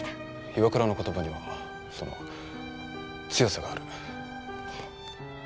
岩倉の言葉にはその強さがある。